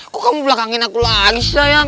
kok kamu belakangin aku lagi sayang